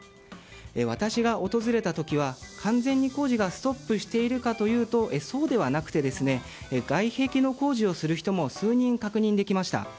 私が訪れた時は、完全に工事がストップしているかというとそうではなくて外壁の工事をする人も数人、確認できました。